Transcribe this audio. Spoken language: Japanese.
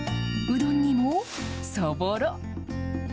うどんにもそぼろ。